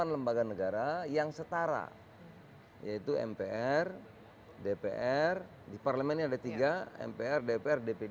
delapan lembaga negara yang setara yaitu mpr dpr di parlemen ada tiga mpr dpr dpd